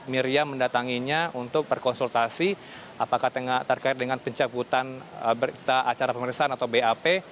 meriam mendatanginya untuk berkonsultasi apakah terkait dengan pencaputan acara pemerintahan atau bap